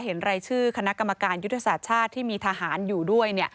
รายชื่อคณะกรรมการยุทธศาสตร์ชาติที่มีทหารอยู่ด้วย